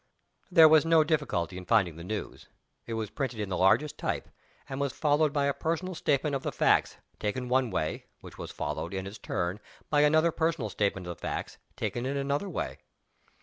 There was no difficulty in finding the news. It was printed in the largest type, and was followed by a personal statement of the facts, taken one way which was followed, in its turn, by another personal statement of the facts, taken in another way.